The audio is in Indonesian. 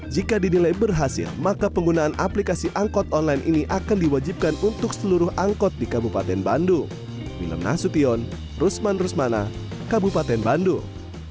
jika dinilai berhasil maka penggunaan aplikasi angkut online ini akan diwajibkan untuk seluruh angkot di kabupaten bandung